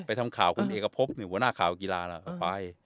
ทำข่าวคุณเอกพบหัวหน้าข่าวกีฬาก็ไป